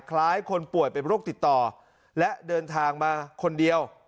คล้ายคนป่วยเป็นโรคติดต่อและเดินทางมาคนเดียว